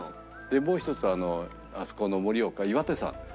もう一つあそこの盛岡岩手山ですか？